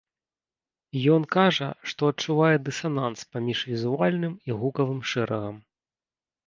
Ён кажа, што адчувае дысананс паміж візуальным і гукавым шэрагам.